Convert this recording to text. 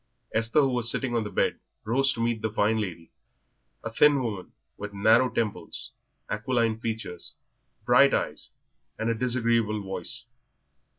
Esther, who was sitting on the bed, rose to meet the fine lady, a thin woman, with narrow temples, aquiline features, bright eyes, and a disagreeable voice.